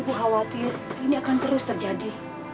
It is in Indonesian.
aku khawatir ini akan terus terjadi